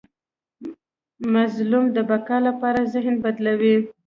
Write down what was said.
مظلوم د بقا لپاره ذهن بدلوي.